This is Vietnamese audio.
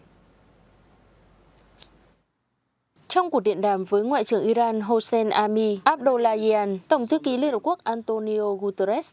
trong cuộc điện đàm với ngoại trưởng iran hossein ami abdollahian tổng thư ký liên hợp quốc antonio guterres